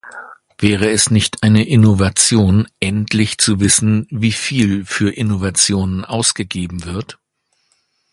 Wäre es nicht eine Innovation, endlich zu wissen, wie viel für Innovation ausgegeben wird?